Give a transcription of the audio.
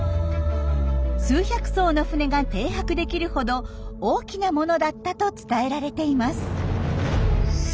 数百艘の船が停泊できるほど大きなものだったと伝えられています。